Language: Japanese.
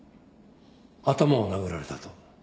頭を殴られたと。